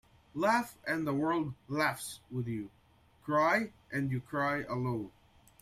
Laugh and the world laughs with you. Cry and you cry alone.